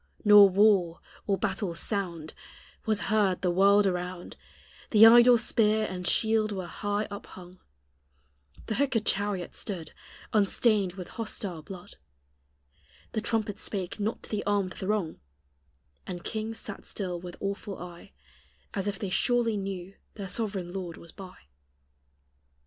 Nor war, or battle's sound, Was heard the world around The idle spear and shield were high up hung; The hookèd chariot stood Unstained with hostile blood; The trumpet spake not to the armed throng; And kings sat still with awful eye, As if they surely knew their sovereign Lord was by.